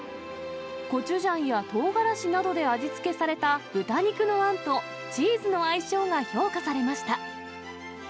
コチュジャンやとうがらしなどで味付けされた豚肉のあんとチーズの相性が評価されました。